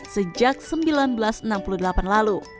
sejak seribu sembilan ratus enam puluh delapan lalu